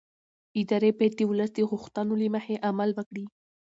ادارې باید د ولس د غوښتنو له مخې عمل وکړي